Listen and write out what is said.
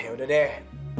yah udah deh